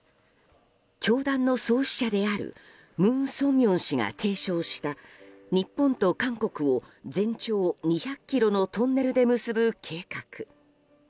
教団の創始者である文鮮明氏が提唱した日本と韓国を全長２００ｋｍのトンネルで結ぶ計画。